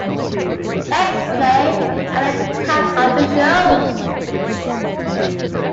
"X-Play" and "Attack of the Show!